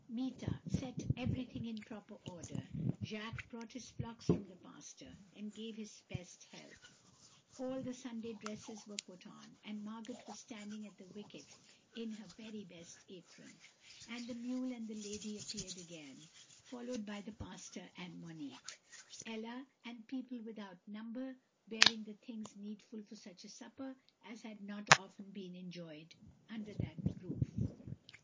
Meeta set everything in proper order. Jacques brought his flocks from the pasture, and gave his best help. All the Sunday dresses were put on, and Margot was standing at the wicket in her very best apron, when the mule and the lady appeared again, followed by the pastor and Monique, Ella, and people without number, bearing the things needful for such a supper as had not often been enjoyed under that roof.